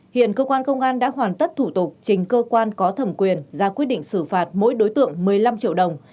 hiện cơ quan công an đã hoàn tất thủ tục trình cơ quan có thẩm quyền ra quyết định xử phạt mỗi đối tượng một mươi năm triệu đồng